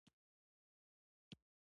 رپوټونو د ویلسلي توجه ور واړوله.